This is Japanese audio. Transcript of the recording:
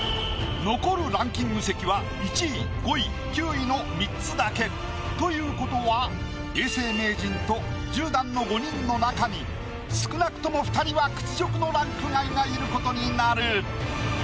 残るランキング席は１位５位９位の３つだけ。ということは永世名人と１０段の５人の中に少なくとも２人は屈辱のランク外がいることになる。